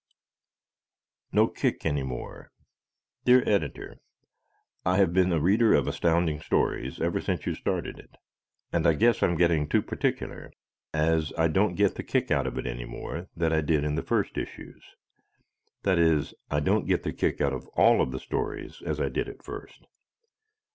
No Kick Any More Dear Editor: I have been a reader of Astounding Stories ever since you started it, and I guess I'm getting too particular as I don't get the kick out of it any more that I did out of the first issues. That is, I don't get the kick out of ALL of the stories as I did at first.